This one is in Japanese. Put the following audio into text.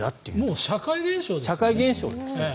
もう社会現象ですよ。